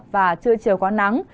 và chưa chiều có nắng